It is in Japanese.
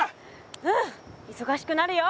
うんいそがしくなるよ。